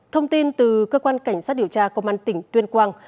thông tin từ cơ quan cảnh sát điều tra công an tỉnh tuyên quang